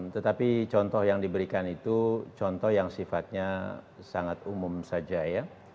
tetapi contoh yang diberikan itu contoh yang sifatnya sangat umum saja ya